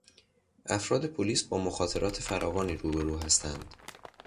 افراد پلیس با مخاطرات فراوانی روبرو هستند.